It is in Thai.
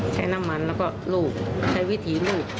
ใช้น้ำมันแล้วก็ลูบใช้วิธีลูด